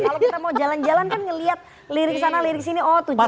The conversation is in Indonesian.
kalau kita mau jalan jalan kan ngelihat lirik sana lirik sini oh tujuh